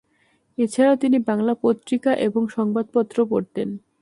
এছাড়াও তিনি বাংলা পত্রিকা এবং সংবাদপত্র পড়তেন।